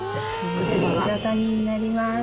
こちらは姿煮になります。